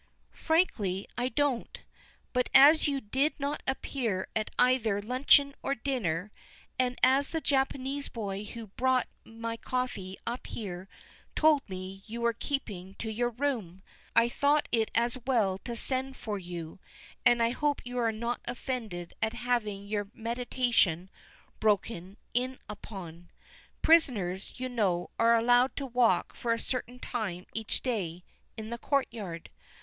"Frankly, I don't; but as you did not appear at either luncheon or dinner, and as the Japanese boy who brought my coffee up here told me you were keeping to your room, I thought it as well to send for you, and I hope you are not offended at having your meditation broken in upon. Prisoners, you know, are allowed to walk for a certain time each day in the courtyard.